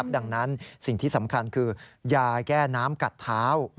ดังนั้นสิ่งที่สำคัญคือยาแก้น้ำกัดเท้า